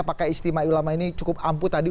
apakah istimewa ulama ini cukup ampuh tadi